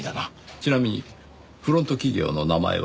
ちなみにフロント企業の名前は？